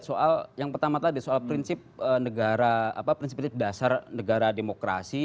jadi harus dilihat soal yang pertama tadi soal prinsip negara prinsip dasar negara demokrasi